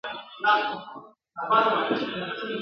ساندي مرګونه اوري ..